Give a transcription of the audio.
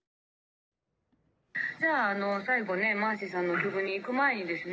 「じゃあ最後ねマーシーさんの曲にいく前にですね